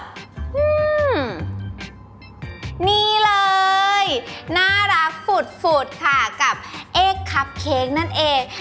อืมนี่เลยน่ารักฝุดค่ะกับเอกคับเค้กนั่นเอง